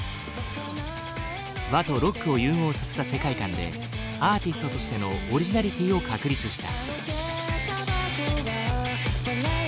和とロックを融合させた世界観でアーティストとしてのオリジナリティーを確立した。